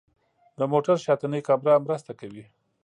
د موټر شاتنۍ کامره مرسته کوي.